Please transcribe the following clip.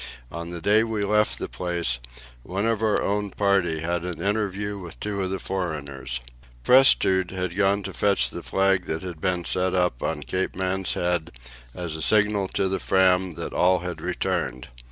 On the day we left the place, one of our own party had an interview with two of the foreigners. Prestrud had gone to fetch the flag that had been set up on Cape Man's Head as a signal to the Fram that all had returned.